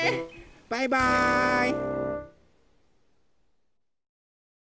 バイバーイ！